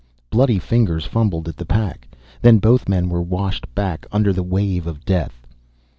Bloody fingers fumbled at the pack, then both men were washed back under the wave of death.